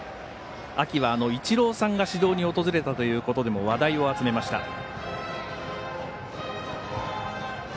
秋はイチローさんが指導に訪れたということでも話題を集めました。